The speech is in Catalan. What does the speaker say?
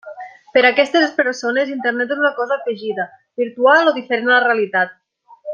Per a aquestes persones, Internet és una cosa afegida, virtual o diferent de la realitat.